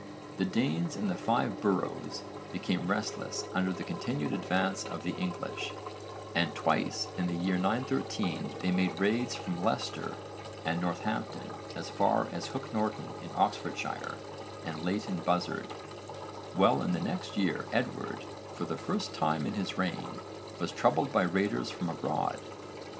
The Danes in the Five Boroughs became restless under the continued advance of the English, and twice in the year 913 they made raids from Leicester and Northampton as far as Hook Norton in Oxfordshire and Leighton Buzzard, while in the next year Edward, for the first time in his reign, was troubled by raiders from abroad.